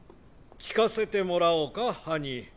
聞かせてもらおうかハニー。